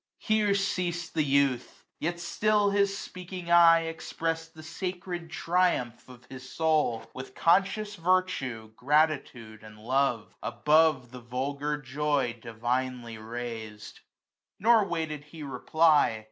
H£R£ ceasM the youth : yet still his speaking eye Expressed the sacred triumph of his soul, 29^; With conscious virtue, gratitude, and love. Above the vulgar joy divinely raised. Nor waited he reply.